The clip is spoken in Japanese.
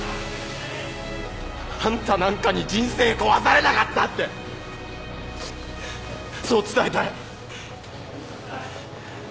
あんたなんかに人生壊されなかったってそう伝えたい。